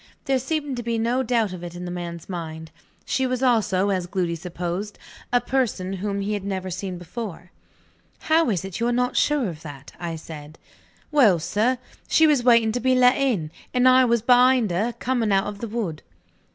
There seemed to be no doubt of it in the man's mind. She was also, as Gloody supposed, a person whom he had never seen before. "How is it you are not sure of that?" I said. "Well, sir, she was waiting to be let in; and I was behind her, coming out of the wood."